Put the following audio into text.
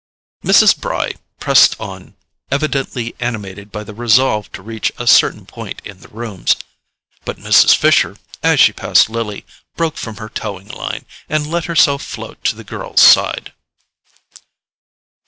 Mrs. Bry pressed on, evidently animated by the resolve to reach a certain point in the rooms; but Mrs. Fisher, as she passed Lily, broke from her towing line, and let herself float to the girl's side.